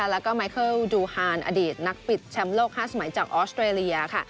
แล้วก็ไมเคิลดูฮานอดีตนักปิดแชมป์โลก๕สมัยจากออสเตรเลียค่ะ